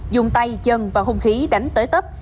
dùng tay chân và hung khí đánh tới tấp